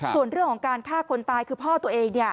ส่วนเรื่องของการฆ่าคนตายคือพ่อตัวเอง